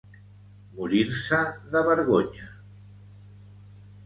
Morir-se de vergonya.